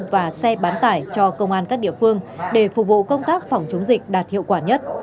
và xe bán tải cho công an các địa phương để phục vụ công tác phòng chống dịch đạt hiệu quả nhất